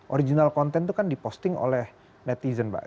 original content itu kan diposting oleh netizen mbak